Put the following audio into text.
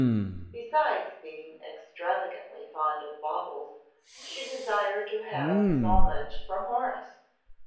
Besides being extravagantly fond of baubles, she desired to have this homage from Horace.